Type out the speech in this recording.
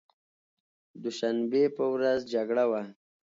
دوشنبې په ورځ جګړه وه.